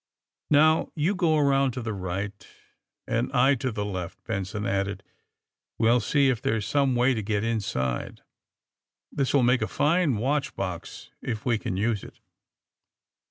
^* Now, you go around to the right, and I to the left," Benson added. ^'We'll see if there is some way to get inside. This will make a fine watch box, if we can use it.''